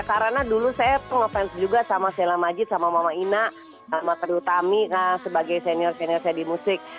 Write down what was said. karena dulu saya pengopensi juga sama shilla majid sama mama ina sama kedutami sebagai senior senior saya di musik